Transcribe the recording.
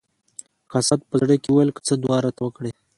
قاصد په زړه کې وویل که څه دعا راته وکړي.